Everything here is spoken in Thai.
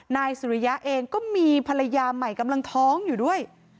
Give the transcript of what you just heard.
นายสุริยะเองก็มีภรรยาใหม่กำลังท้องอยู่ด้วย